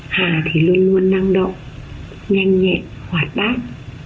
hoặc là thì luôn luôn năng động nhanh nhẹn hoạt bát